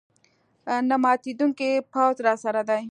نه ماتېدونکی پوځ راسره دی.